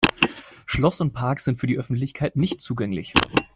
Schloss und Park sind für die Öffentlichkeit nicht zugänglich.